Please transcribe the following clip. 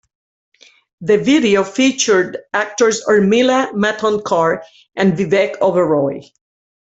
The video featured actors Urmila Matondkar and Vivek Oberoi.